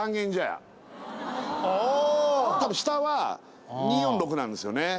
多分下は２４６なんですよね。